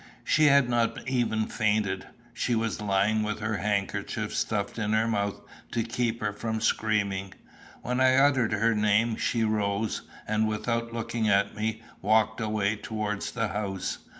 She had not even fainted. She was lying with her handkerchief stuffed into her mouth to keep her from screaming. When I uttered her name she rose, and, without looking at me, walked away towards the house.